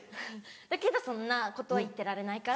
だけどそんなことは言ってられないから。